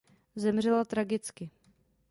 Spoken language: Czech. Zemřela tragicky.